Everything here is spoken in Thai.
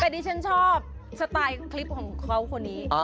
แต่ดิฉันชอบสไตล์คลิปของเขาคนนี้